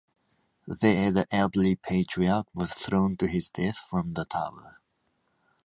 There the elderly patriarch was thrown to his death from the tower.